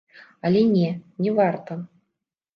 Але не, не варта.